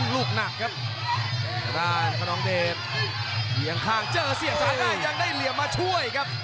ลูกหนักครับน้องเดชน์เหลี่ยงข้างเจอเสียงสาด้ายยังได้เหลี่ยมมาช่วยครับ